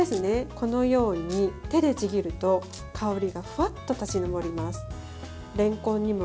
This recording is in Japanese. このように手でちぎると香りがふわっと立ち上ります。